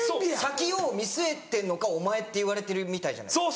「先を見据えてんのかお前」って言われてるみたいじゃないですか。